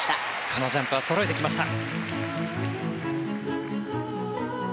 このジャンプはそろえてきました。